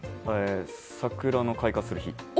桜の開花する日？